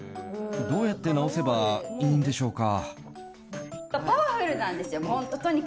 どうやって直せばいいんでしょうか。